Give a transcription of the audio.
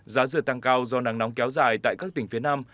giá rửa tăng cao do nắng nóng kéo dài tại các tỉnh phía nam